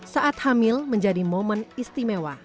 saat hamil menjadi momen istimewa